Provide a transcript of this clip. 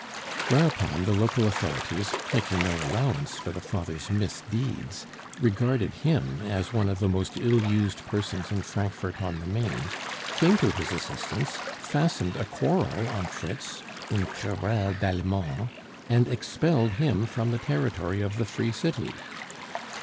Whereupon the local authorities, making no allowance for the father's misdeeds, regarded him as one of the most ill used persons in Frankfort on the Main, came to his assistance, fastened a quarrel on Fritz (une querelle d'Allemand), and expelled him from the territory of the free city.